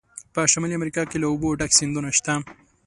په شمالي امریکا کې له اوبو ډک سیندونه شته.